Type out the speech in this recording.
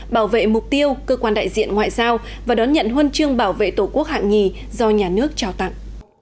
bảo vệ mục tiêu cơ quan đại diện ngoại giao và đón nhận huân chương bảo vệ tổ quốc hạng nhì do nhà nước trao tặng